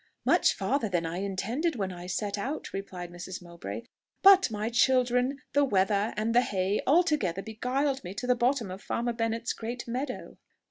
"Much farther than I intended when I set out," replied Mrs. Mowbray. "But my children, the weather, and the hay, altogether beguiled me to the bottom of Farmer Bennet's great meadow."